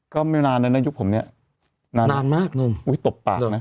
ก็ไม่นานแล้วนะยุคผมเนี่ยนานมากหนุ่มอุ้ยตบปากนะ